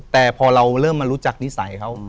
แต่พอเราเริ่มมารู้จักนิสัยเขา